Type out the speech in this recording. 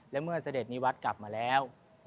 และเมื่อเสด็จนิวัตรกลับมาแล้ว